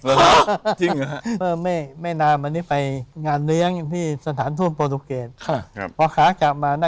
แล้วไม่นานวันนี้ไปงานเลี้ยงที่สถานทูทบบรุเลกียด